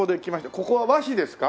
ここは和紙ですか？